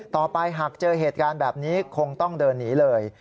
ต่อไปหากเจอเหตุการณ์แบบนี้คงต้องเดินหนีเลย